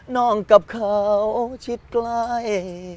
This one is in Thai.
น้องกับเขาชิดใกล้